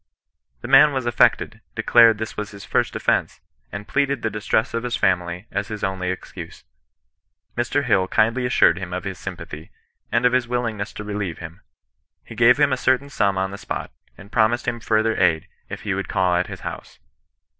The man was affected, declared this was his first offence, and plead ed the distress of his family as his only excuse. Mr, Hill kindly assured him of his sympathy, and of his wil lingness to relieve him. He gave him a certain sum on the spot, and promised him further aid, if he would call 112 CHRISTIAN NON EESISTAXCE. at his house.